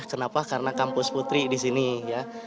kenapa karena kampus putri di sini ya